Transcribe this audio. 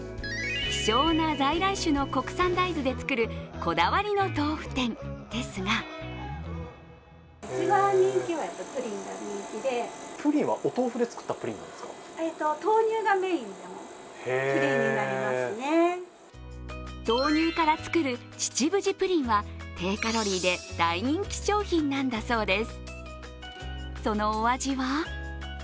希少な在来種の国産大豆で作るこだわりの豆腐店ですが豆乳から作る秩父路プリンは、低カロリーで大人気商品なんだそうです。